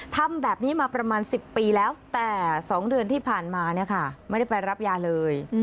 ทำแบบนี้มาประมาณ๑๐ปีแล้วแต่๒เดือนที่ผ่านมาเนี่ยค่ะไม่ได้ไปรับยาเลย